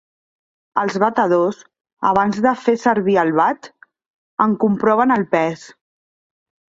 Els batedors, abans de fer servir el bat, en comproven el pes.